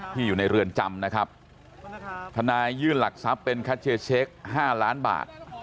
อยู่ในเรือนจำนะครับทนายยื่นหลักทรัพย์เป็นคัชเชเช็ค๕ล้านบาท